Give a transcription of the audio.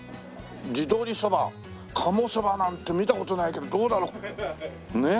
「地鶏そば」「鴨そば」なんて見た事ないけどどうだろう？ねえ。